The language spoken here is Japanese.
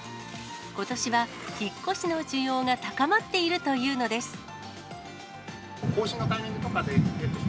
ことしは引っ越しの需要が高まっているというのです。